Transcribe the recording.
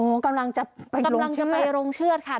โอ้กำลังจะไปโรงเชือด